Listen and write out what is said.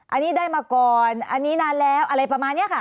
อันนี้ได้มาก่อนอันนี้นานแล้วอะไรประมาณนี้ค่ะ